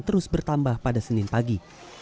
terus bertambah pada senin pagi